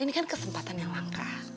ini kan kesempatan yang langka